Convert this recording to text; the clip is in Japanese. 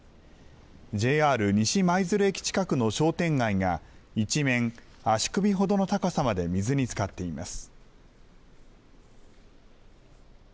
ＪＲ西舞鶴駅近くの商店街が、一面、足首ほどの高さまで水につかっています。